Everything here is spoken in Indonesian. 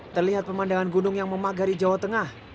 terlihat pemandangan gunung yang memagari jawa tengah